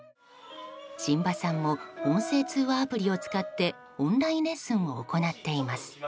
榛葉さんも音声通話アプリを使ってオンラインレッスンを行っています。